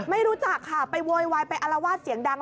ไม่รู้จักค่ะไปโวยวายไปอารวาสเสียงดัง